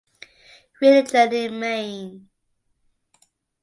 Religion in Maine